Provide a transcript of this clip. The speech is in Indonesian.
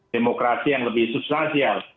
demokrasi yang lebih substansial